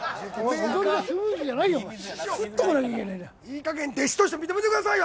いいかげん弟子として認めてくださいよ。